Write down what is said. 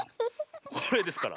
これですから。